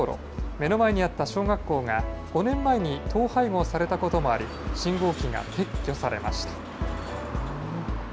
目の前にあった小学校が５年前に統廃合されたこともあり、信号機が撤去されました。